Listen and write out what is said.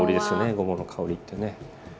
ごぼうの香りってね。